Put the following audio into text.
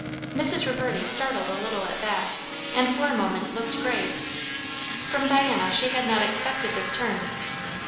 Mrs. Reverdy startled a little at that, and for a moment looked grave. From Diana she had not expected this turn.